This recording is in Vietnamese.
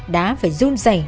đã phải run dày